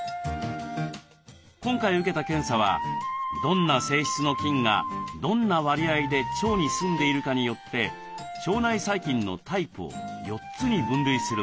今回受けた検査はどんな性質の菌がどんな割合で腸にすんでいるかによって腸内細菌のタイプを４つに分類するものです。